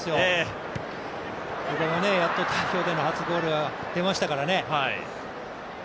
久保もやっと代表での初ゴール、出ましたからね。